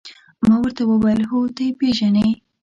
ما ورته وویل: هو، ته يې پېژنې؟